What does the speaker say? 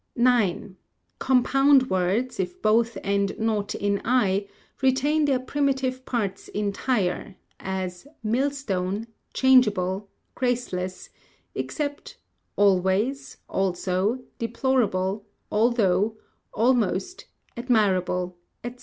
ix. Compound words, if both end not in i, retain their primitive parts entire; as, millstone, changeable, graceless; except always, also, deplorable, although, almost, admirable, &c.